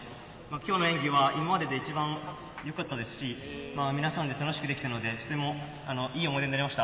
きょうの演技は今までで一番、良かったですし、皆さんで楽しくできたので、とてもいい思い出になりました。